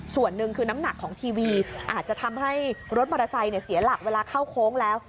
ส่วนหนึ่งคือน้ำหนักของทีวีอาจจะทำให้รถมอเตอร์ไซค์เสียหลักเวลาเข้าโค้งแล้ว